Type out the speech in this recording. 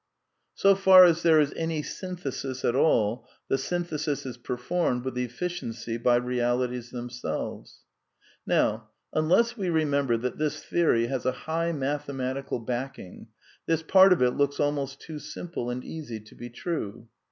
So far as there is any synthesis at all, the synthesis is performed' ^ with efficiencyVrealities themselves^ Now, unless we remember that this theory has a high mathematical backing, this part of it looks almost too simple and easy to be true.